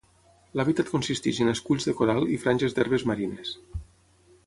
L'hàbitat consisteix en esculls de coral i franges d'herbes marines.